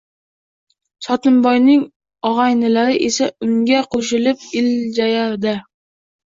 Sotimboyning ogʻaynilari esa unga qoʻshilib iljayardi.